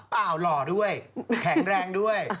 เปล่าหล่อด้วยแข็งแรงด้วย